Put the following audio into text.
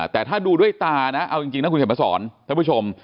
แต่ถ้าดูด้วยตานะเอาจริงนะคุณเขียนมาสอนท่านผู้ชม